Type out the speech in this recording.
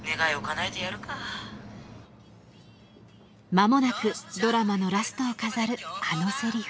間もなくドラマのラストを飾るあのセリフ。